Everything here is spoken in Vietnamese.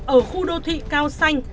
ở khu đô thị cao xanh